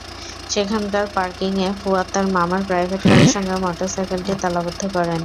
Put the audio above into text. সেখানকার পার্কিংয়ে ফুয়াদ তাঁর মামার প্রাইভেট কারের সঙ্গে মোটরসাইকেলটি তালাবদ্ধ করেন।